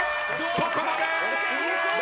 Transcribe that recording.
そこまで！